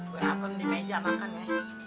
kue apem di meja makan ya